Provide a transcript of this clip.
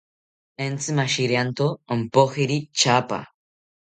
Entzi mashirianto ompojiri tyaapa